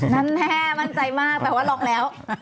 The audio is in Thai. นั้นแม่มั่นใจมากแปลว่าลองแล้ว